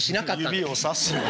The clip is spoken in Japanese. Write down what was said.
指をさすな。